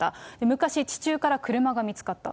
昔、地中から車が見つかった。